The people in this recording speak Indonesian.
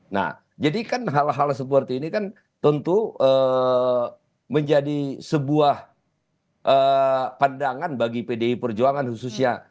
nah jadi kan hal hal seperti ini kan tentu menjadi sebuah pandangan bagi pdi perjuangan khususnya